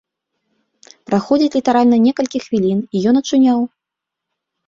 Праходзіць літаральна некалькі хвілін, і ён ачуняў!